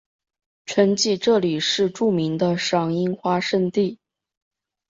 春季这里是著名的赏樱花胜地。